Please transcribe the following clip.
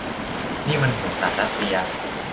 นี่มันโหดสัสรัสเซีย